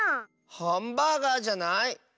ハンバーガーじゃない？